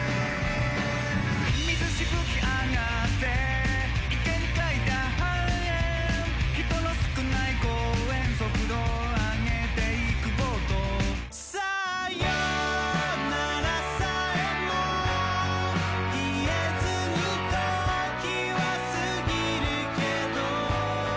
「水しぶきあがって池に描いた半円」「人の少ない公園速度あげていくボート」「さよならさえも言えずに時は過ぎるけど」